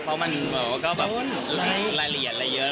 เพราะว่าและเรียนและเยอะ